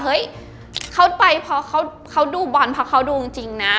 เฮ้ยเขาไปเพราะเขาดูบอลเพราะเขาดูจริงนะ